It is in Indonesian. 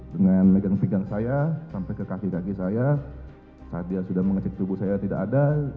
dengan megang pigang saya sampai ke kaki kaki saya saat dia sudah mengecek tubuh saya tidak ada